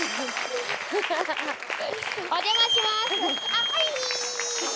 あっはい。